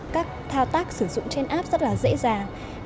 các thao tác sử dụng trên app rất là dễ dàng